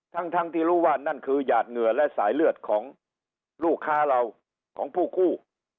ทั้งที่รู้ว่านั่นคือหยาดเหงื่อและสายเลือดของลูกค้าเราของผู้กู้